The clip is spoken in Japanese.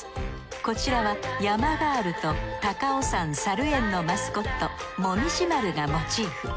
こちらは山ガールと高尾山さる園のマスコットもみじまるがモチーフ。